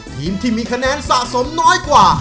ทีมที่มีคะแนนสะสมน้อยกว่า